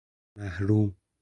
محروم